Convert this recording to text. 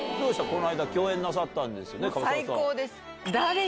この間共演なさったんですね。